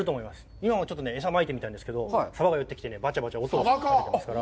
今もちょっと餌をまいてみたんですけど、サバが寄ってきて、バチャバチャ音を立ててますから。